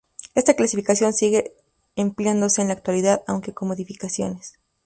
Esta clasificación sigue empleándose en la actualidad, aunque con modificaciones.